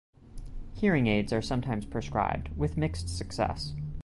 Hearing aids are sometimes prescribed, with mixed success.